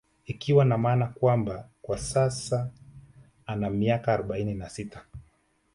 Ikiwa na maana kwamba kwa sasa ana miaka arobaini na sita